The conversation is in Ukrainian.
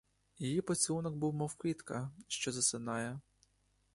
Її поцілунок був мов квітка, що засинає.